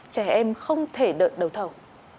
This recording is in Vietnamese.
trẻ em không thể đợi đầu thầu